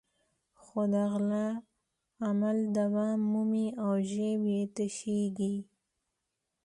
خو د غلا عمل دوام مومي او جېب یې تشېږي.